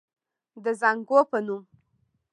د زانګو پۀ نوم